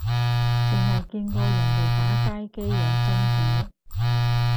剩係見過人哋打街機有真鼓